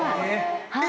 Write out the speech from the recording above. はい。